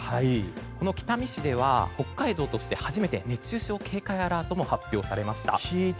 この北見市では北海道として初めて熱中症警戒アラートが発表されました。